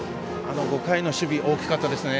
５回の守備大きかったですね。